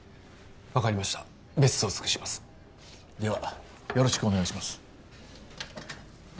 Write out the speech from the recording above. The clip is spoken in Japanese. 分かりましたベストを尽くしますではよろしくお願いします